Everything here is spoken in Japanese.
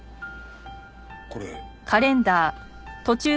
これ。